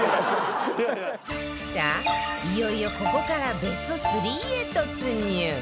さあいよいよここからベスト３へ突入